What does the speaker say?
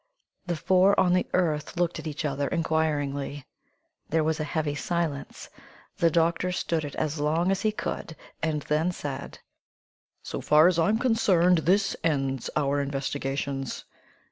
The four on the earth looked at each other inquiringly. There was a heavy silence. The doctor stood it as long as he could, and then said: "So far as I'm concerned, this ends our investigations."